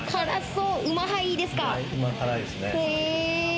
うま辛いですね。